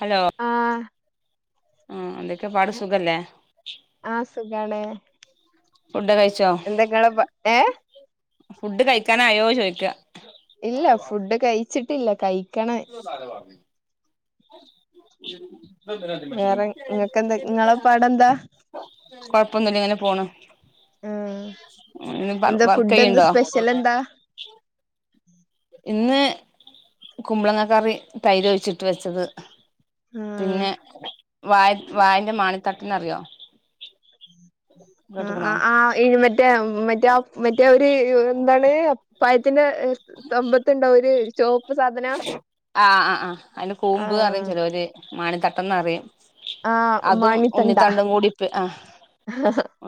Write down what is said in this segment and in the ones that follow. Hello ആഹ് ആ അതെ ഒക്ക പാട് സുഖല്ലേ സുഖാണെ ഫുഡ് കഴിച്ചോ എന്തൊക്കെയാണ് പ ഏ ഫുഡ് കഴിക്കാനായയോ ചോദിക്കുക ഇല്ല ഫുഡ് കഴിച്ചിട്ട് ഇല്ല കൈ എന്ത് സാനാ [unintelligible] വേറെ ഇങ്ങക്കെന്താ ഇങ്ങളെ പാടെന്താ കൊഴപ്പൊന്നുംല്ല ഇങ്ങനെ പോണ് ആഹ് എന്താ വർക്ക് ഫുഡ് എന്താ ചെയ്യണ്ടോ സ്പെഷ്യൽ എന്താ ഇന്ന് കുമ്പളങ്ങ കറി തൈര് ഒഴിച്ചിട്ട് വെച്ചത് ആഹ് പിന്നെ വായ വായിന്റെ മണിത്തട്ട എന്നറിയോ ആ ആ മറ്റേ മറ്റ മറ്റേ ഒരുര് എന്താണ് പഴത്തിന്റെ തൊമ്പത്തുണ്ടാവും ഒരു ചുവപ്പ് സാധനം ആ ആ ആ അതിന് കൂമ്പ്ന്ന് ആഹ് ചലോര് മണി ത പെട്ടെന്നറിയും ആഹ് അതും ഉന്നി മണിത്തണ്ട തണ്ടും കൂടിപ്പ് ആ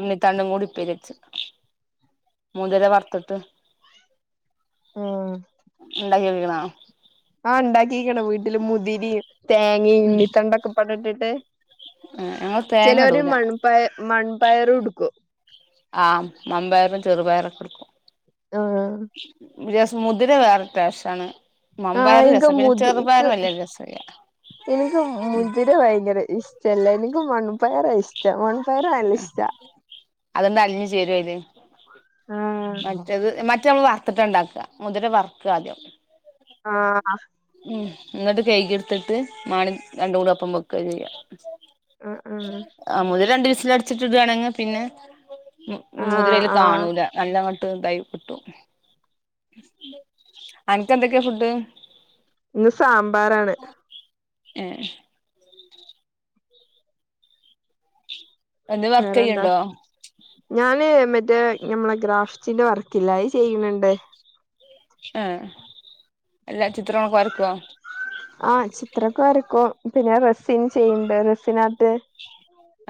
ഉന്നി തണ്ടും കൂടി പിരീഡ്സ് മുതിര വറത്തിട്ട് ഉ കൈകഴണാം ആ ഉണ്ടാക്കിരിക്കണ് വീട്ടില് മുതിര് തേങ്ങ ഇണ്ണിത്തണ്ടൊക്കെ പണിട്ടിട്ട് ഞങ്ങൾ തേങ്ങ ചിലവര് ഇടൂല മൺപയ മൺപയർ ഉടുക്കും ആ മമ്പയരും ചെറുപയറു കെടുക്കും ആഹ് ശബ്ദം ക്ലിയർ അല്ല മുതിര വേറെ ടെസ്റ്റാണ് ആ എനിക്ക് മുതിക്ക് രസല്ല എനിക്ക് ഉം മുതിര ഭയങ്കര ഇഷ്ടല്ല എനിക്ക് മൺ പയറ ഇഷ് ടം വൻപയറ് നല്ല ഇഷ്ടാ അതെന്താല് ആഹ് മറ്റത് മറ്റ നമ്മള് വറത്തിട്ട്ണ്ടാക്കുക മുതിര വർക്ക ആദ്യം ആ ഉം എന്നിട്ട് കൈക്കി എടുത്തിട്ട് മാണിം രണ്ട് കൂടെ ഒപ്പം വെക്ക ചെയ്യാ ആഹ് ആഹ് ആ മുതിര രണ്ട് [unintelligible] അടിച്ചിട്ടിട്ട് വേണെങ്കി പിന്നെ ആഹ് മുതിരയിൽ ആഹ് കാണൂല നല്ല [unintelligible] അനക്കെന്തൊക്കെയാ ഫുഡ് ഇന്ന് സാമ്പാറാണ് ഏ ഒന്ന് വർക്ക് വേറെന്താ ചെയ്യണ്ടോ ഞാന് ് നമ്മളെ ഗ്രാഫ് പിന്നെ വർക്കില്ല ചെയ്യണണ്ട് ആഹ എല്ലാ ചിത്രങ്ങളൊക്കെ വരക്കുവോ അത്രക്കെ ആക്കും പിന്നെ റസൻ ചെയ്യണ്ട് റസിനകത്ത്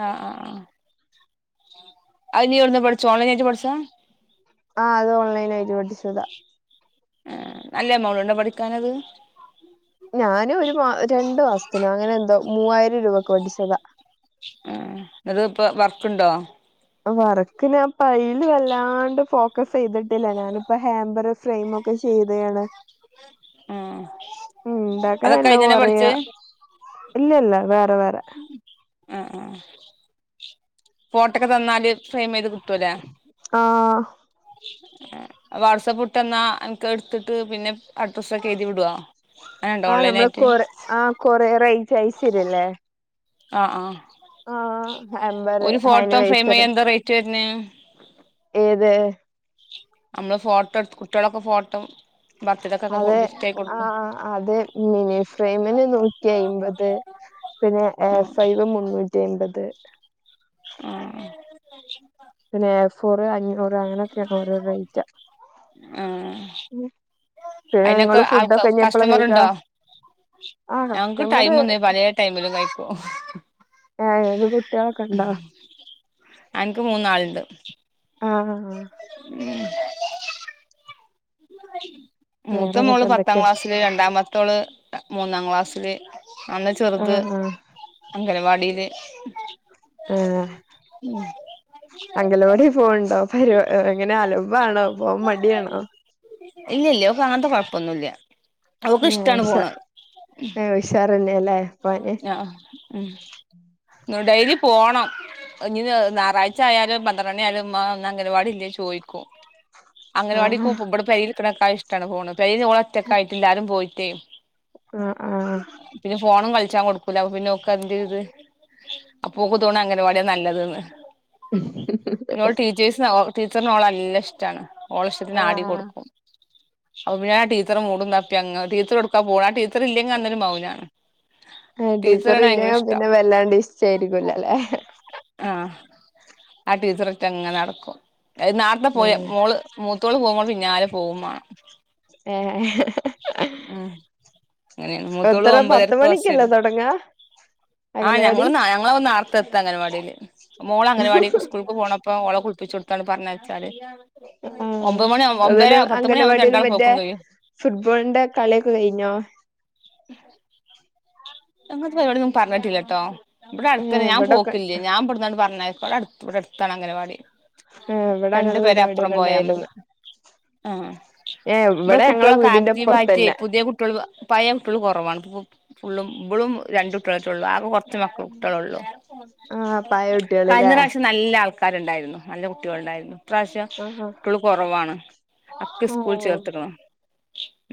ആഹ ആഹ ആഹ അത് നീ എവിന്ന് പഠിച്ചോ ഓൺലൈൻ ഏട്ട് പഠസ ആഹ അത് ഓൺലൈന ആയിട്ട് പഠിച്ചുതാ ആ നല്ല മോളുണ്ടോ പഠിക്കാനത് ഞാനും ഒരു മാ രണ്ടു മാസത്തിനും അങ്ങനെ എന്തോ മൂവായിരം രൂപക്ക്െ മേടിച്ചതാ ഉ ഇത് ഇപ്പോ വർക്ക്ണ്ടോ വറക്കിിന ആ പൈൽ വല്ലാണ്ട് ഫോക്കസ് ചെയ്തിട്ടില്ല ഞാനിപ്പ ഹേംബർ ഫ്രെമ ഒക്കെ ചെയ്തയാണ് ഉ ഉണ്ടാക്കന അതൊക്കെ എല്ലാം അയിന്നന്നെ കുറയാ ഇല്ല ഇല്ല വേറെ വേറെ ആഹ ആഹ ഫോട്ടൊക്കെ തന്നാല് സേം ചെയത് ത്തല്ല ആഹ് വാട്സാപ്പ് ഇട്ട്െന്നാൽ എനിക്ക് എടുത്തിട്ട് പിന്നെ അഡ്രസ്സൊക്കെ എഴുതി വിടുോ ആ നമ്മളെ കൊറ ആഹ കൊററ ജൈസരില്ലേ ആഹ ആഹ ആഹ ഹമ്പർ ഹൈന ഫ്രെയിം വൈസര് ചെയ്യാൻ എന്താ റേറ്റ് വരുന്നേ ഏത് നമ്മള് ഫോട്ടോ എടു കുട്ടികളൊക്കെ ഫോട്ടോ ബർത്ത്ഡേക്കൊക്കെ അതെ ഗിഫ്റ്റ് ആയി ആ കൊടുക്കും അതെ മിനി ഫ്രെമിന് നൂറ്റി അമ്പത് പിന്നെ എ ഉം ഫൈവ് മുന്നൂറ്റി അമ്പത് ആഹ പിന്നെ എ ഫോറ് അഞ്ഞൂറ് അങ്ങനെയൊക്കെയ അവര റേറ്റ്ാ ആഹ് ഉം പിന്നെ അയിനൊക്കെ നിങ്ങള് ആൾക്ക ഫുഡൊക്കെ ഇഞ്ഞപ്പോള കസ്റ്റമർ കഴിക്കാ ഉണ്ടോ ആ ഞങ്ങക്ക് കസ്റ്റമറ് ടൈമ ഒന്ന പലയ ടൈമില ക [unintelligible] ആതത് [unintelligible] യാളെ കണ്ട ആ ഇനിക്ക് മൂന്നാള്ണ്ട് ആഹ് ആ [inaudible] [unintelligible] മൂത്ത വേറെങ്ങട്ട് മോള് പത്താം എന്തൊക്കെ ക്ലാസ്സില് രണ്ടാമത്തെ ത്തോള് മൂന്നാം ക്ലാസ്സില് അല്ലാ ആ ചെറുത് ആ അംഗനവാടിയില് ഏ ഉം അങ്കലവാടി പോണ് ണ്ടോ പരി എങ്ങനെ അലമ്പാണോ പോവാ മടിയാണോ ഇല്ല്യല്ല ഓക്ക് അങ്ങനത്തെ കൊഴപ്പൊന്നുംല്ല്യ ഏ ഉഷാ ഏ ഉഷാറന്നെല്ലേ പോവാന് ആഹ് ഉം ഡെയ്ലി പോണം ഇഞ്ഞി നാറാഴ്ച്ചയാലും പന്ത്രണ്ട്മണി ആയാലും ഉ ആ ഇന്ന് അംഗനവാടില്ലേ ചോയിക്കും ആ അംഗൻവാടിക്കൂപ്പും ഇബടെ ഇത്രക്കായ്‌ഷ്ട്ടാണോ പോവൂ പയ്‌ലോളറ്റൊക്കായിട്ട് എല്ലാരും പോയി റ്റെം ആഹ് ആഹ് ഫോണും കളിച്ചാ കൊടുക്കൂല പിന്നെ ഓക്ക് അതിന്റെ ഒരു ഇത് അപ്പൊക്ക് തോണ അംഗനവാട്യ നല്ലത് ന്ന് [unintelligible] ടീച്ചറിനോളെ നല്ല ഇഷ്ടാണ് ഓളഷ്ടത്തിന് ആ ആടി കൊടുക്കും അപ്പ പിന്നെ ആ ടീച്ചറെ മൂടും തപ്പി അങ്ങ് ടീച്ചർ എവടെക്കാ പോണെ ആ ടീച്ചറില്ലെങ്ക അന്നൊരു മൗനാണ് ആ ടീച്ചറ് ടീച്ചറിനെ ഭയങ്കര ഇല്ലേങ്ക ഇഷ്ടാ പിന്നെ വെല്ലാണ്ടെ ഇഷ്ടായിരിക്കൂല്ലല്ലേ ആഹ് ആ ടീച്ചറ ഒറ്റ അങ്ങെനെ നടക്കും അത് നാട്ട്ന്ന് പോയ ഏ മോള് മൂ മൂത്തോള് പോണ പിന്നാലെ പോവും വേണം ഏ ഉം അങ്ങനെണ് മൂത്തോള് എത്ര പത്ത് ഒമ്പതരക്ക് മണിക്കല്ലേ ബസരും തൊടങ്ങാ ആ അംഗലവാടി ഞങ്ങള് ഞങ്ങളാവും നേർത്തെത്താ അംഗനവാടില് മോള് അംഗനവാടി സ്കൂൾക്ക് പോണം ഇപ്പോ ഓളെ കുളിപ്പിച്ചോടുത്തങ്ങ് പറഞ്ഞയച്ചാല് ആ ഒമ്പത് മണി ഒമ്പര അവ്ലു പത്ത് മണി ആവുമ്പോ അംഗലവാടിയിലും രണ്ടാള് മറ്റേ പോക്കും കഴിയും ഫുട്ബോളിന്റെ കളിയൊക്കെ കയിഞ്ഞോ അങ്ങനത്തെ പരിപാടി ഒന്നും പറഞ്ഞിട്ടില്ല ട്ടോ ഇബ്ടെ ഏ അടുത്തെന്നെ ഞാൻ ഇവിടൊക്കെ പോക്കില്ലേ ഞാൻ ഇബ്ടുന്നങ്ങ്ട് പറഞ്ഞയ് ഇവിടെ അടു ഇവിടെ അടുത്താണ് അംഗനവാടി ഏ ഇവിടെ രണ്ടു അങ്ങനെ പേര് അപ്പുറം പരിപാടിയൊക്കെ പോയാമതി ഉണ്ടായിരുന്നു ആഹ് ഏ നമ്മുടെ ഇവിടെ ഞങ്ങളെ കുട്ടികളൊക്കെ വീടിന്റെ ആക്റ്റീവ് ആയിട്ട് ഇപ്പുറത്തന്നെ പുതിയ കുട്ടികൾ പഴയ കുട്ടികൾ കുറവാണ് ഫുള്ളും ഇവളും രണ്ടുകുട്ടികളൊക്കെ ഉള്ളൂ ആകെ കുറച്ച് മക്ക കുട്ടികളേ ഉള്ളു ആഹ് പഴയ കുട്ടികളല്ലേ ക്കാരുണ്ടായിരുന്നു നല്ല കുട്ടികളുണ്ടായിരുന്നു ഇത്രാശ്യം ആ കുട്ടികള് കുറവാണ് അക്കെ സ്കൂൾ ചേർത്ത്ക്ക്ണ്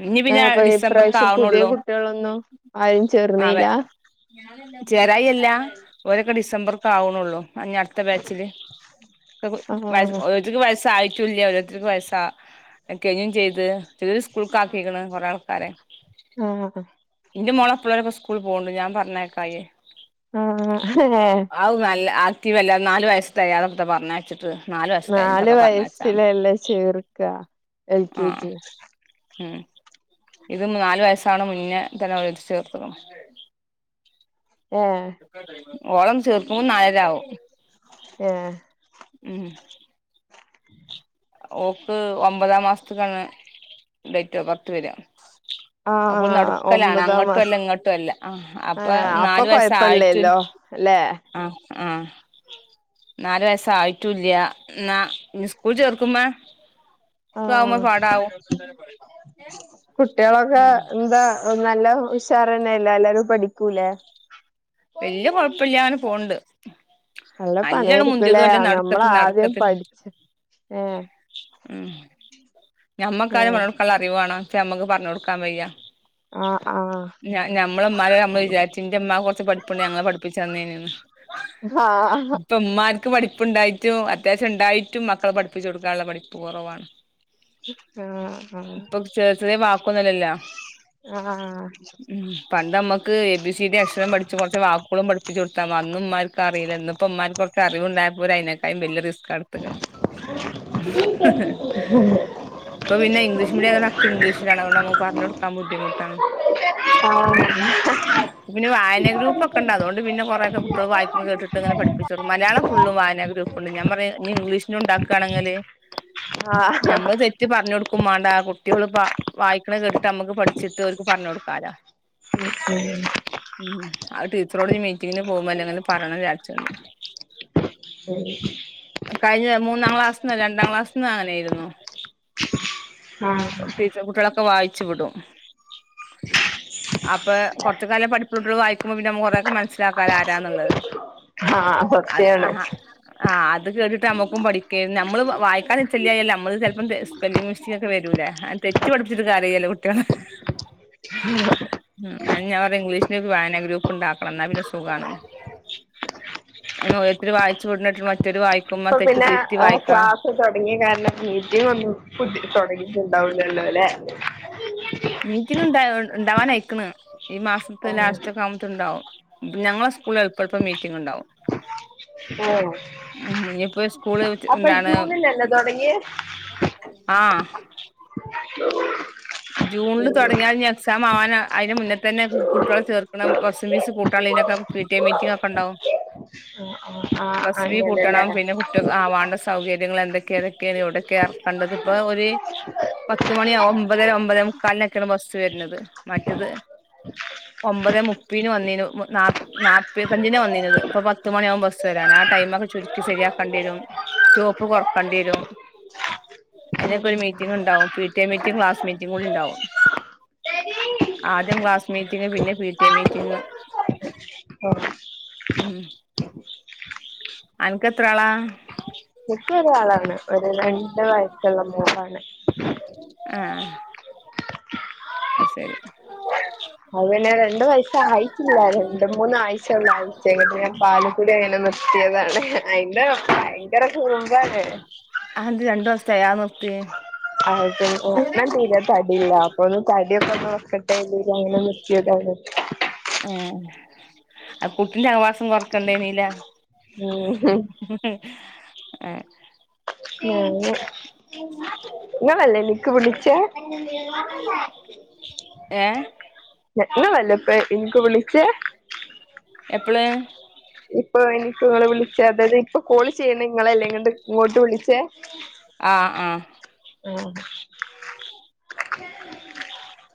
ഇനി ആഹ് പിന്നെ അപ്പൊ ഡിസംബർക്ക് ഇപ്രാശ്യം പുതിയ കുട്ടികളൊന്നും ആരും ചേ അവെ ചേരായിയല്ല ഓരൊക്കെ ഡിസംബർക്ക് ആവണോള്ളൂ ഇഞ്ഞ അടുത്ത ബാച്ചില് ആ ഓരിക്ക് വയ സായിട്ടുല്ല ഓരോരുത്തർക്ക് വൈസ്സാ കഴിഞ്ഞും ചെയ്ത് ചിലര് സ്കൂൾക്ക് ആക്കിരിക്കണ് കൊറെ ആൾക്കാരെ ആ ഇന്റെ മോളെ ഒപ്പുള്ളവരൊക്കെ സ് സ്കൂളിൽ പോണ്ട് ഞാൻ പറഞ്ഞയക്കായേ ആഹ് ഹ് ഏഹ് ത്തി വല്ലാ നാല് വയസ്സ് തെകയാതെ ഇപ്പോ പറഞ്ഞയച്ചിട്ട് വയസ്സ് നാല് തെകഞ്ഞിട്ടൊക്കെ പറഞ്ഞയച്ചാ വയസിലല്ലേ ചേർക്ക എൽ കെ ആഹ് ജി ഉം ഇത് നാലു വയസാവുണ മുന്നേ തന്നെ എഴുതി ചേർക്കുണു ഏ ഓളം ചേർക്കുമ്പോ നാലരവും ഏ ഉം ഓക്ക് ഒമ്പതാം മാസത്ത്ക്കാണ് ഡേറ്റ് ഓഫ് ബർത്ത് വര്യാ അപ്പൊ ആഹ് നടുക്കലാണ് ഒമ്പതാം അങ്ങോട്ടും അല്ല മാസം ഇങ്ങോട്ടുല്ല ആഹ് അപ്പൊ ആഹ് നാലു വയസ്സായിട്ടു കൊഴപ്പല്ലല്ലോ അല്ലെ ആഹ് ആ നാലു വയസ്സായിട്ടുല്ല എന്നാ ഇനി സ്കൂൾ ചേർ ത്തുമ്മ ത്തുവാമ്പോ ആഹ് പാടാവും ഉഷാർന്നെയല്ലെ എല്ലാരും പഠിക്കൂലേ വല്യ കൊഴപ്പില്ലാണ്ട് പോണ്ട് നല്ല നല്ലണ് പണിയായിരിക്കൂലേ മുന്തിയതും അല്ല നമ്മളെ നടുക്കത്ത് ആദ്യം നടുക്കത്ത് പഠിച്ചു ഏഹ് ഉം ഞമ്മക്കാരും ഏഹ് പറഞ്ഞുകൊടുക്കാനുള്ള അറിവാണ് പക്ഷെ ഞമ്മക്ക് പറഞ്ഞ് കൊടുക്കാൻ വയ്യ ആഹ് ഞ ഞമ്മളമ്മാരെ നമ്മള് വിചാരിച്ചിന്റെ ഉമ്മാക്ക് കുറച്ച് പഠി അപ്പണ്ട് ഞങ്ങളെ പഠിപ്പിച്ചു തന്നേനെന്ന് ആഹ് ഇപ്പം ഉമ്മാ ക്ക് പഠിപ്പുണ്ടായിട്ടും അത്യാവശ്യം ഉണ്ടായിട്ടും മക്കളെ പഠിപ്പിച്ചു കൊടുക്കാനുള്ള പഠി് പ്പ്കുറവാണ് അ ആ ക്കുന്ലല്ല ഉ പണ്ട് നമ്മക്ക് എ ബി സി ഡി. അക്ഷരം പഠി കു റച്ച്കുറച്ച് വാക്കുകളും പഠപ്പിച്ചു കൊടുത്താം അന്ന ഉ്മാർക്ക് അറിയില്ല ഇന്നപ്പം ഉമ്മാർക്കൊ ക് അറിവുണ്ടായപ്പോൾ ഓല് അതിനെക്കാ വലിയ റിസ്കാണെടുത്തത് ഇപ്പ പിനെ ഇംഗ്ലീഷ് മീഡിയ ആയതുകൊണ്ട് അതൊക്കെ ഇംഗ്ലീഷിലാണ് അതുകൊണ്ട്പറഞ്ഞുകൊടുക്കാൻ ബുദ്ധിമുട്ടാണ് ആഹ് ആഹ് [unintelligible] വായനൊക്കെ ഗ്രൂപ്പ് ഒക്കെ ഉണ്ട് അത്കൊണ്ട് കുറെ ഒക്കെ കു മക്കളെ വായി മൾകേട്ടിട്ടെങ്ങനെ പഠപ്പിച്ചൊടു മലയാളം ഫുള്ളും വായനാ ഗ്ര ഒപ്പുണ്ട് ഞാൻ പറയാനി ഇംഗ്ലീഷന് ഉണ്ടാക്കുകയാണെങ്കില് ആ ക്കും മാണ്ടകുട്ടികള് വായിക്കണത് കേട്ടിട്ട് നമ്മുക്ക് പഠിച്ചിട്ട് അവർക്ക് പറഞ്ഞു കൊടുക്കാലാ ആ ടീച്ചറോടിഞ്ഞ്മീറ്റിങ്ങിന് പോകുമ്പോലളെന്തങ്കിലും പറയണന്ന് വിജാരിച്ചിട്ണ്ട് ഉ [inaudible] കഴിഞ്ഞ മൂന്നാം ക്ലാസ്ന്ന രണ്ടാം ക്ലാസിൽ നിന്നുംഅങ്ങനെയാ യിരുന്നു ആഹ് ടീച്ചർ കുട്ടളൊക്കെ വായിച്ച വായിച്ചു വിടും അപ്പോ കുറച്ചൊക്കെ നല്ല പഠിപ്പ് ഉള്ള കുട്ടികള് വായി കും പിന്നെ നമ്മൾക്കകുറേ ഒക്കെ മനസിലാക്കാല്ലോആരാന്നുള്ളത് ആ സത്തിയാണ് ത് കേട്ടിട്ട് നമ്മുക്കും പഠിക്ക നമ്മള് വായിക്കാല് നിച്ചാല്ലായി അല്ല നമ്മള് ച സ്പെല്ലി മിസ്റ്റേക്കെ വരലേ തെറ്റ് പഠിച്ചട്ട കാര്യല്ലോ കുട്ടികളെ ഞാൻ പറയാ ഇംഗ്ലീഷിന് ഒരു വായനാ ഗ്രൂപ്പ് പുഉണ്ടക്കണം എന്നാ പിന്നെ സുഖാണ് ന് ഓരോരുതര് വായിച്ചു വിട ന്നത് കേട്ടിട്ട മറ്റൊരു വായി ഇപ്പൊ പിന്നെ ക്ലാസ്സ് തുടങ്ങിയ കാരണം മീറ്റിംഗ ഒന്നും പു തുടങ്ങിയിട്ടി ല്ല ഉണ്ടാവൂലല്ലോ ല്ലേ മീറ്റിംഗ് ഉണ്ട ഉണ്ടവാാനയിക്കണ് ഈ മാസത്തെ ലാസ്റ്റ ഒക്കെ ആവുമ്പൊയ് ഉണ്ടാവും ഞങ്ങളെ സ്കൂളിൽ എളപ്പഴപ്പ മീറ്റിംഗ ഉണ്ടാവും ആ ഇഞ്ഞപ്പോ അപ്പം ജൂണില ല്ലെ തുടങ്ങിയെ ആ ജൂണില് തുടങ്ങിയാൽ എക്സാം ആവാൻ അതിന് മുന്നേ തന്നെകുട്ടികളെ ചേർക്ക് ണ ബസ്സും ഫീസ് കൂട്ടാനുള്ളതിനൊക്കെ പി ടി മീറ്റിംഗ ഒക്കെ ഉണ്ടാവും ആഹ് ബസ് ഫി അങ്ങനെല്ലേ കൂട്ടണം പിന്നെ കുട്ടിക ആവാണ്ട സൗകര്യം എന്തൊക്കെയതൊക്കെയാണ് ഇവിടെക്കണ്ടത് ഇപ്പോ ഒരു പത്ത് മണിയ ഒത് ഒമ്പത് മുക്കാലിനൊക്കെയാണ് ബസ്സ് വരുന്നത് മറ്റത് ഒമ്പത് മുപ്പന് വന്നീനു ണ്ടാവും നാപ്പത്തഞ്ചിന് വന്നിത് ഇപ്പ പത്തുമണിയാവവുമ്പോൾ ബസ് വരാൻ ആ ടൈമൊക്കെ ചുരുക്കി ശരിയാക്കേണ്ടി വരും സ്റ്റോപ്പ് കുറക്കേണ്ടി വരും അതിനൊക്കെ ഒരു മീറ്റിംഗ ഉണ്ടാവും P T A meeting class മീറ്റിങ്ങുംകൂടിണ്ടാവും ആദ്യം ക്ലാസ് മീറ്റിംഗ് പിന്നെ പി ടി എമീറ്റിംഗ് ആഹ് അനക്കത്രാള എനിക്ക് ഒരാളാണ് ഒരു രണ്ട് വയസ്സുള്ള മോളാണ് ആ ശരി അവന്ന് രണ്ടു വയസ്സ് ആയിട്ടില്ല രണ്ട് മൂന്ന് ആയി [unintelligible] ഞാൻ പാല്ക്കുടി അങ്ങനെ നിർത്തിയതാണ് അയിന്റെ ഭയങ്കര കൂളാ [unintelligible] അത് ന്തേ രണ്ട് വയസ്സ് തെയാതെ നിർത്തിയേ അത് ഞാൻ തീരെ തടിയില്ല അപ്പൊന്നും തടിയൊക്കെ ഒന്ന് വെക്കട്ടെന്ന് കരുതി അങ്ങനെ നിർത്തിയതാണ് ആ ആ കുട്ടിന്റെ ആവാസം കൊറക്കണ്ടെനീലാ [unintelligible] ആ [unintelligible] ഇങ്ങളല്ലേ ലിക്ക് പിളിച്ച [unintelligible] ഏഹ് ഇങ്ങൾ അല്ലെ ഇപ്പ എനിക്ക് വിളിച്ചേ എപ്പള് ഇപ്പൊ എനിക്ക് നിങ്ങളെ വിളിച്ചേ അതായത് ഇപ്പൊ കോൾ ചെയ്യണേ ഇങ്ങളല്ലേ ഇങ്ങോട്ട് വിളിച്ചേ ആ ആ [unintelligible]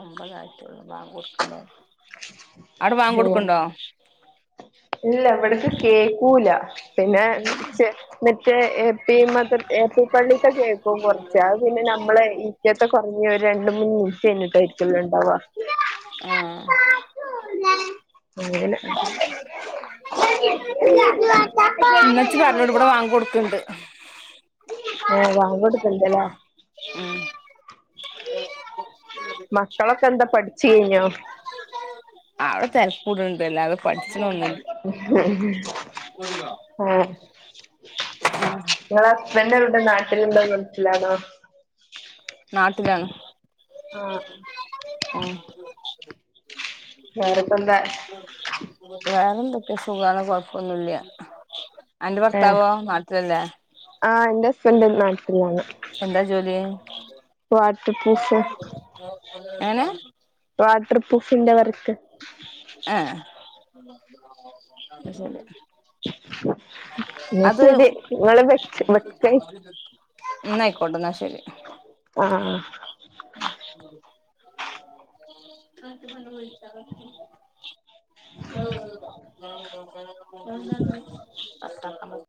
ഒമ്പതായിട്ടുള്ളൂ ബാങ്ക് കൊടുക്കണ്ടേ അവിടെ ബാങ്ക് കൊടുക്കണ്ടോ ഇല്ല ഇവിടക്ക് കേക്കൂല [unintelligible] പിന്നെ [unintelligible] [unintelligible] [unintelligible] എപി പ്പള്ളിത്തെ കേൾക്കും കുറച്ച് അത് പിന്നെ നമ്മളെ ഇപ്പത്തെ കുറ ഇനി ഒരു രണ്ട് മൂന്ന് മിനിറ്റ് കയിഞ്ഞിട്ടായിരിക്കും ഉണ്ടാവ അങ്ങനെ [unintelligible] ഉമ്മച്ചി പറഞ്ഞോട് ഇവിടെ വാങ്ക് കൊടുക്കണ്ട് ഏ വാങ്ക് കൊടുക്കണ്ട്ലെ മക്കളൊക്കെ എന്താ പഠിച്ചു കഴിഞ്ഞോ അവിടെ തേരാക്കൂടു അല്ലാതെ പഠിച്ചനൊന്നുല [unintelligible] [unintelligible] [unintelligible] ഇങ്ങളെ ഹസ്ബൻഡ് എവിടെ നാട്ടിലുണ്ടോ ഗൾഫിലാണോ നാട്ടിലാണ് ആ വേറെ എന്തൊക്കെ സുഖാണോ കൊ ഒന്നൂല്ല്യ ഏ ആഹ് എന്റെ ഹസ്ബൻഡ് നാട്ടിലാണ് എന്താ ജോലി വാട്ടർ പ്രൂഫ് എങ്ങനെ വാ ട്ടർപ്രൂഫിന്റെ വർക്ക് ഏഹ് എന്നാ അത് ശരി നിങ്ങള് വെച്ച് ശരി വെക്കയ് അത് ന്ന ആയിക്കോട്ടെ ന്നാ ശരി ആഹ് കാട്ട് പണ് [unintelligible] [inaudible]